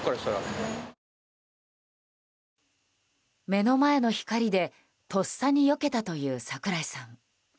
目の前の光でとっさによけたという櫻井さん。